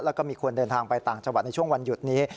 แล้วก็มีคนเดินทางไปต่างจังหวัดในช่วงวันหยุดนี้